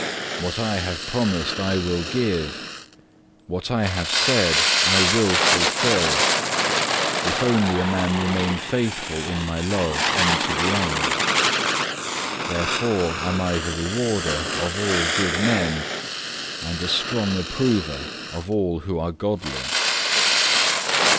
What I have promised I will give; what I have said I will fulfil; if only a man remain faithful in My love unto the end. Therefore am I the rewarder of all good men, and a strong approver of all who are godly.